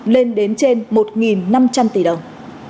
lên đến trên một năm trăm linh tỷ đồng